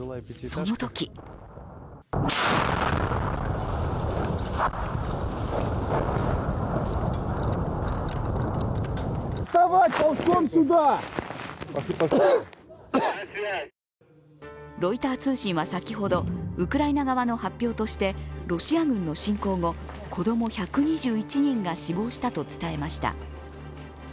そのときロイター通信は先ほどウクライナ側の発表としてロシア軍の侵攻後、子供１２１人が死亡したと伝えました。